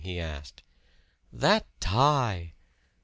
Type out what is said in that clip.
he asked. "That tie!"